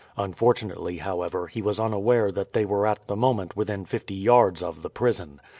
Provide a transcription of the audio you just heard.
Unfortunately, however, he was unaware that they were at the moment within fifty yards of the prison.